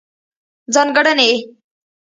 ځانګړنې: